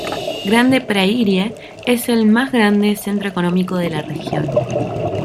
Grande Prairie es el más grande centro económico de la región.